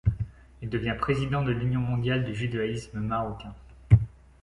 Il devient président de l'Union mondiale du judaïsme marocain.